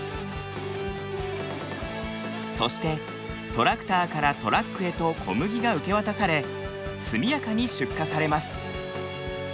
そしてトラクターからトラックへと小麦が受け渡され速やかに出荷されます。